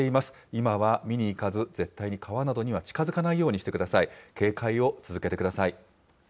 今は見に行かず、絶対に川などには近づかないようにしてください。